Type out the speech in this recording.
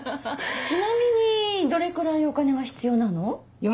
ちなみにどれくらいお金が必要なの？